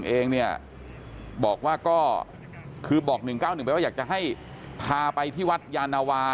เองเนี่ยบอกว่าก็คือบอก๑๙๑ไปว่าอยากจะให้พาไปที่วัดยานวา